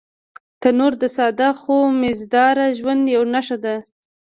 تنور د ساده خو مزيدار ژوند یوه نښه ده